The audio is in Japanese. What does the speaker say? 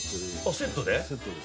セットで？